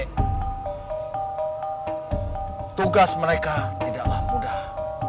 tugas mereka tidaklah mudah